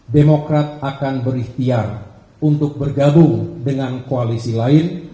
demokrat akan berikhtiar untuk bergabung dengan koalisi lain